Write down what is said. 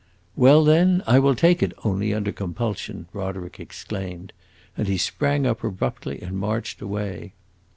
"Well, then, I will take it only under compulsion!" Roderick exclaimed. And he sprang up abruptly and marched away.